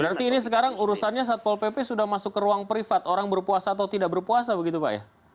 berarti ini sekarang urusannya satpol pp sudah masuk ke ruang privat orang berpuasa atau tidak berpuasa begitu pak ya